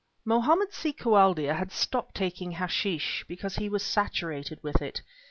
Mohammed si Koualdia had stopped taking hashish, because he was saturated with it.